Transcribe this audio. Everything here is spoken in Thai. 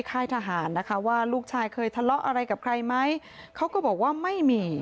ค่ายทหารนะคะว่าลูกชายเคยทะเลาะอะไรกับใครไหมเขาก็บอกว่าไม่มี